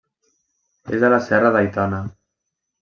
És a la serra d'Aitana.